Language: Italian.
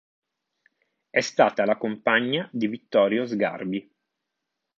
È stata la compagna di Vittorio Sgarbi.